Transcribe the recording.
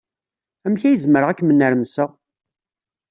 Amek ay zemreɣ ad kem-nermseɣ.